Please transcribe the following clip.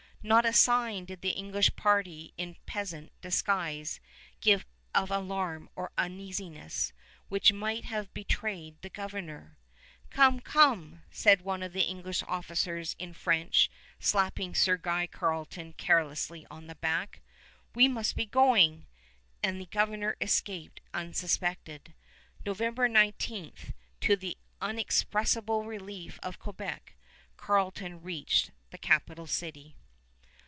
Not a sign did the English party in peasant disguise give of alarm or uneasiness, which might have betrayed the Governor. "Come, come," said one of the English officers in French, slapping Sir Guy Carleton carelessly on the back, "we must be going"; and the Governor escaped unsuspected. November 19, to the inexpressible relief of Quebec Carleton reached the capital city.